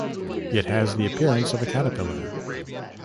It has the appearance of a caterpillar.